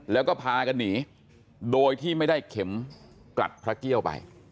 แล้วก็พากันหนีโดยที่ไม่ได้เข็มกลัดพระเกี้ยวไป